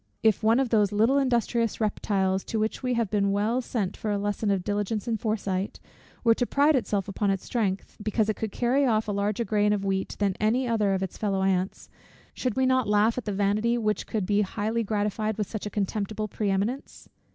If one of those little industrious reptiles, to which we have been well sent for a lesson of diligence and foresight, were to pride itself upon its strength, because it could carry off a larger grain of wheat than any other of its fellow ants; should we not laugh at the vanity which could be highly gratified with such a contemptible pre eminence?